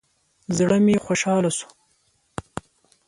زړه مې خوشحاله شو.